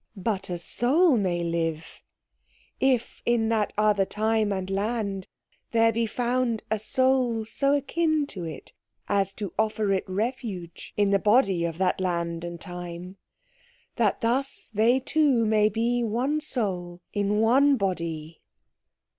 "But a soul may live, if in that other time and land there be found a soul so akin to it as to offer it refuge, in the body of that land and time, that thus they two may be one soul in one body."